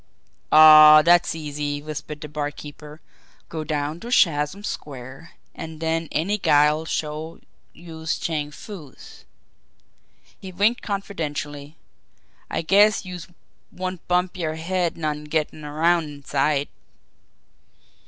"Aw, dat's easy," whispered the barkeeper. "Go down to Chatham Square, an' den any guy'll show youse Chang Foo's." He winked confidentially. "I guess youse won't bump yer head none gettin' around inside."